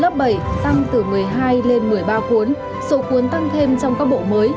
lớp bảy tăng từ một mươi hai lên một mươi ba cuốn số cuốn tăng thêm trong các bộ mới